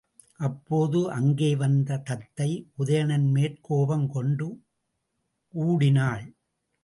அப்போது அங்கே வந்த தத்தை, உதயணன் மேற் கோபம் கொண்டு ஊடினாள்.